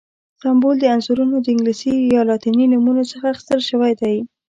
سمبول د عنصرونو د انګلیسي یا لاتیني نومونو څخه اخیستل شوی دی.